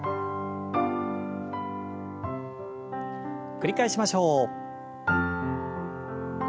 繰り返しましょう。